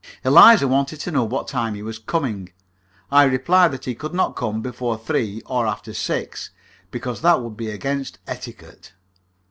Eliza wanted to know what time he was coming. I replied that he could not come before three or after six, because that would be against etiquette.